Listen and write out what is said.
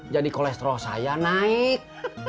jadi kolesterol saya naik